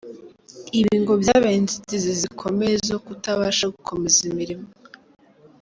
Ibi ngo byabaye inzitizi zikomeye zo kutabasha gukomeza imirimo.